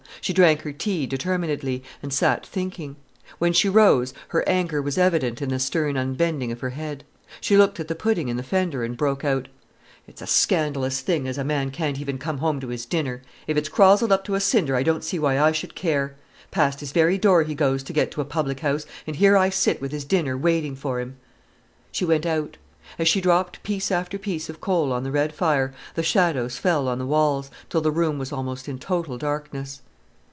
She drank her tea determinedly, and sat thinking. When she rose her anger was evident in the stern unbending of her head. She looked at the pudding in the fender, and broke out: "It is a scandalous thing as a man can't even come home to his dinner! If it's crozzled up to a cinder I don't see why I should care. Past his very door he goes to get to a public house, and here I sit with his dinner waiting for him——" She went out. As she dropped piece after piece of coal on the red fire, the shadows fell on the walls, till the room was almost in total darkness.